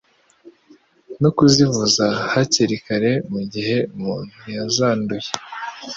no kuzivuza hakiri kare mu gihe umuntu yazanduye